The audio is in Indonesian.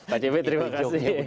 pak cb terima kasih